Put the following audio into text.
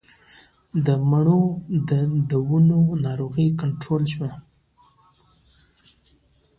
د مڼو د ونو ناروغي کنټرول شوه؟